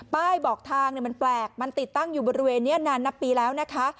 บอกทางมันแปลกมันติดตั้งอยู่บริเวณนี้นานนับปีแล้วนะคะ